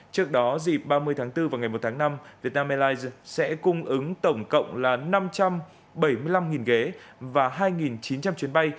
trước đó dịp ba mươi tháng bốn và ngày một tháng năm việt nam airlines sẽ cung ứng tổng cộng là năm trăm bảy mươi năm ghế và hai chín trăm linh chuyến bay